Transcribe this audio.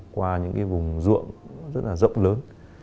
qua những cái vùng ruộng rất là rộng lớn